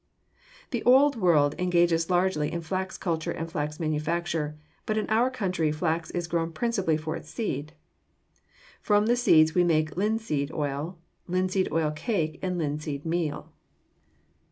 The Old World engages largely in flax culture and flax manufacture, but in our country flax is grown principally for its seed. From the seeds we make linseed oil, linseed oil cake, and linseed meal.